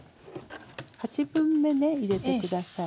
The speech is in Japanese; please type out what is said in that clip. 八分目ね入れて下さいね。